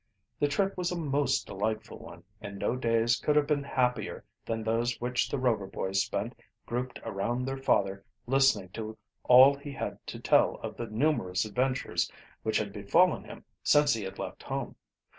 The trip was a most delightful one, and no days could have been happier than those which the Rover boys spent grouped around their lather listening to all he had to tell of the numerous adventures which had befallen him since he had left home.